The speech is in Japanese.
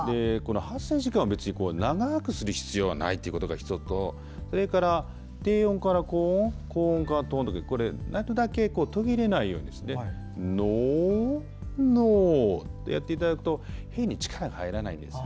発声時間は別に長くする必要はないっていうことが１つとそれから低音から高音高音から低音で、なるだけこう途切れないようにしてのーのーってやっていただくと変に力が入らないんです。